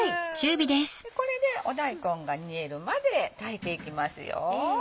でこれで大根が煮えるまで炊いていきますよ。